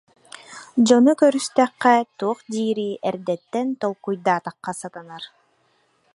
Дьону көрүстэххэ туох диири эрдэттэн толкуйдаатахха сатанар